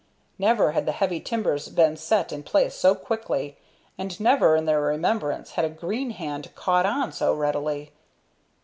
Never had the heavy timbers been set in place so quickly, and never in their remembrance had a green hand "caught on" so readily.